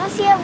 makasih ya bu